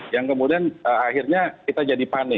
yang kemudian akhirnya kita jadi panik